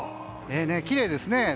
きれいですね。